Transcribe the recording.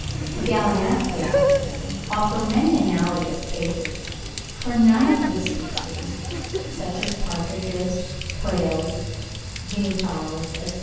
The Gallinaceae offer many analogous cases; for none of the species, such as partridges, quails, guinea fowls, etc.